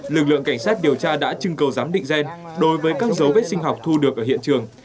lực lượng cảnh sát điều tra đã trưng cầu giám định gen đối với các dấu vết sinh học thu được ở hiện trường